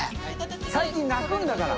最近泣くんだから。